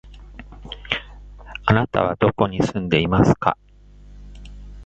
あなたはどこに住んでいますか？